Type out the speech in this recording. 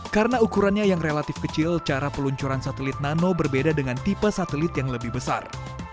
karena ukurannya yang relatif kecil cara peluncuran satelit nano berbeda dengan tipe satelit yang lebih besar